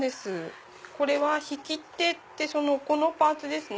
これは引き手ってこのパーツですね。